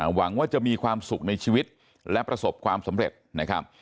หวังว่าจะมีความสุขในชีวิตและประสบความสำเร็จนะครับ